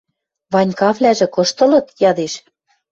Ванькавлӓжӹ кышты ылыт? — ядеш.